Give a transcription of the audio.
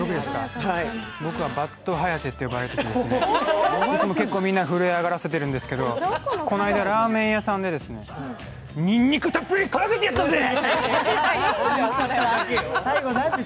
僕はバット颯と呼ばれて、いつも結構みんなを震え上がらせているんですけど、この間、ラーメン屋さんで、にんにくたっぷりかけてやったぜ！！